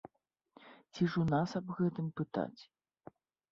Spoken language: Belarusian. Ці ж у нас аб гэтым пытаць?